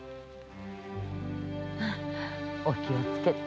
お気をつけて。